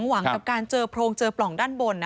หวังกับการเจอโพรงเจอปล่องด้านบน